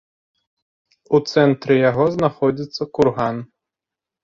У цэнтры яго знаходзіцца курган.